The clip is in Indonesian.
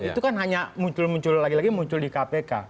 itu kan hanya muncul muncul lagi lagi muncul di kpk